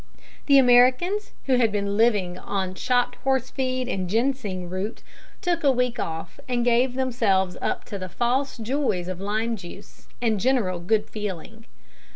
The Americans, who had been living on chopped horse feed and ginseng root, took a week off and gave themselves up to the false joys of lime juice and general good feeling.